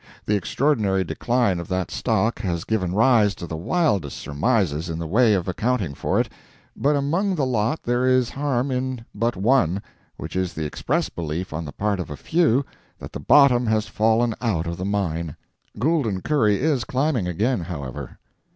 The extraordinary decline of that stock has given rise to the wildest surmises in the way of accounting for it, but among the lot there is harm in but one, which is the expressed belief on the part of a few that the bottom has fallen out of the mine. Gould & Curry is climbing again, however.